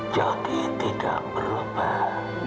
jody tidak berubah